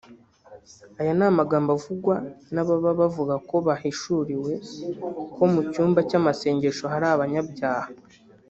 Aya ni amagambo avugwa n’ababa bavuga ko bahishuriwe ko mu cyumba cy’amasengesho hari abanyabyaha